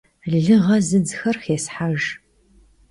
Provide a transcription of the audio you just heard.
Lığe zıdzxer xêshejj.